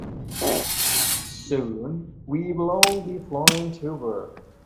Soon, we will all be flying to work.